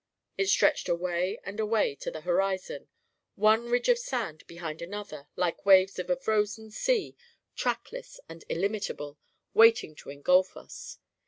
It stretched away and away to the horizon, one ridge of sand behind another, like waves of a frozen sea, trackless and illimitable, waiting to engulf us.